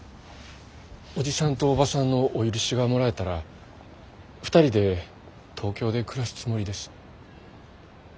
おじさんとおばさんのお許しがもらえたら２人で東京で暮らすつもりです。